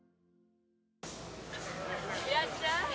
・・いらっしゃい！